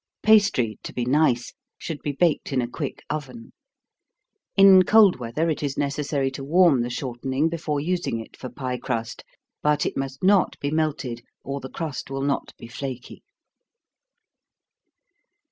Pastry, to be nice, should be baked in a quick oven. In cold weather it is necessary to warm the shortening before using it for pie crust, but it must not be melted, or the crust will not be flaky.